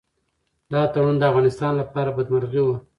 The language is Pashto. دا تړون د افغانستان لپاره بدمرغي وه.